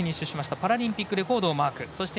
パラリンピックレコードをマーク。